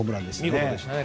見事でしたね。